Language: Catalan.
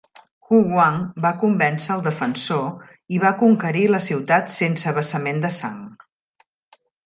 Xu Huang va convèncer el defensor i va conquerir la ciutat sense vessament de sang.